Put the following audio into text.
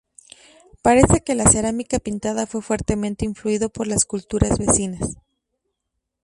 Parece que la cerámica pintada fue fuertemente influido por las culturas vecinas.